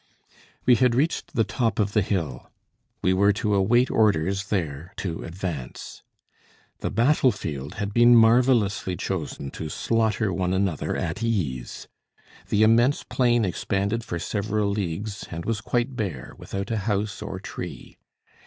We had reached the top of the hill. We were to await orders there to advance. The battle field had been marvellously chosen to slaughter one another at ease. The immense plain expanded for several leagues, and was quite bare, without a house or tree.